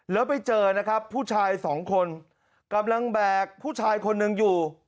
แล้วไปเจอนะครับผู้ชายสองคนกำลังแบกผู้ชายคนหนึ่งอยู่